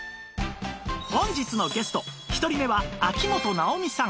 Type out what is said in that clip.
本日のゲスト１人目は秋本奈緒美さん